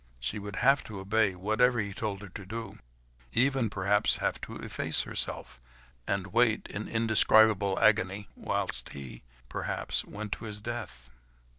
She would have to obey, whatever he told her to do, even perhaps have to efface herself, and wait, in indescribable agony, whilst he, perhaps, went to his death.